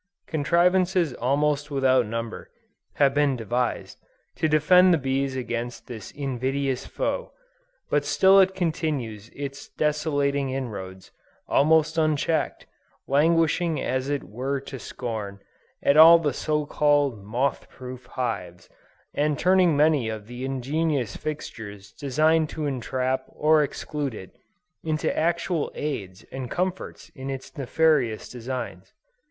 Contrivances almost without number, have been devised, to defend the bees against this invidious foe, but still it continues its desolating inroads, almost unchecked, laughing as it were to scorn, at all the so called "moth proof" hives, and turning many of the ingenious fixtures designed to entrap or exclude it, into actual aids and comforts in its nefarious designs.